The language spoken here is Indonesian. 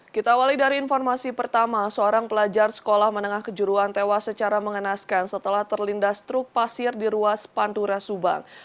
kita awali dari informasi pertama seorang pelajar sekolah menengah kejuruan tewas secara mengenaskan setelah terlindas truk pasir di ruas pantura subang